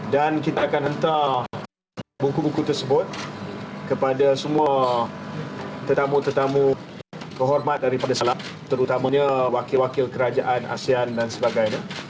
dan kita akan hentak buku buku tersebut kepada semua tetamu tetamu kehormat daripada selam terutamanya wakil wakil kerajaan asean dan sebagainya